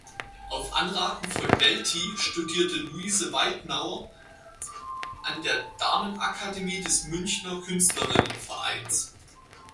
Auf Anraten von Welti studierte Louise Weitnauer an der Damenakademie des Münchner Künstlerinnenvereins.